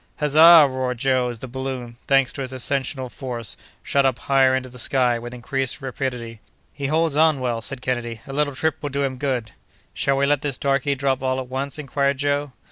"Huzza!" roared Joe, as the balloon—thanks to its ascensional force—shot up higher into the sky, with increased rapidity. "He holds on well," said Kennedy; "a little trip will do him good." "Shall we let this darky drop all at once?" inquired Joe.